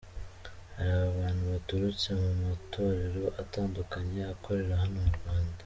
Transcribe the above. Hari abantu baturutse mu matorero atandukanye akorera hano mu Rwanda.